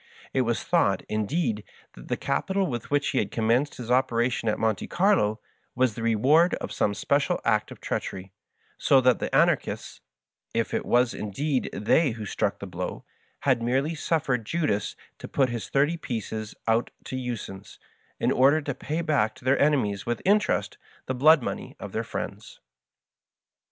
It was thought, indeed, that the capital with which he had commenced his opera tion at Monte Carlo was the reward of some special act of treachery ; so that the anarchists, if it was indeed they who struck the blow, had merely suffered Judas to put his thirty pieces out to usance, in order to pay back to their enemies with interest the blood money of their friends.